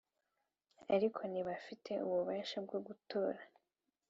ariko ntibafite ububasha bwo gutora